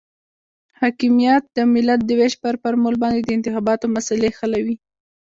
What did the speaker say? حاکمیان د ملت د وېش پر فارمول باندې د انتخاباتو مسلې حلوي.